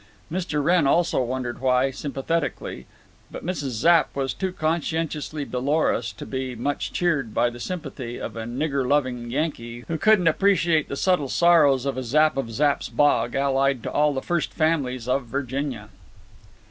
Mr. Wrenn also wondered why, sympathetically, but Mrs. Zapp was too conscientiously dolorous to be much cheered by the sympathy of a nigger lovin' Yankee, who couldn't appreciate the subtle sorrows of a Zapp of Zapp's Bog, allied to all the First Families of Virginia.